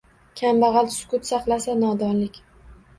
Kambag’al sukut saqlasa-nodonlik.